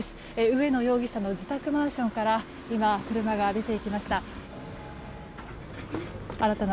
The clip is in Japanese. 植野容疑者の自宅マンションから今、車が出て行きました。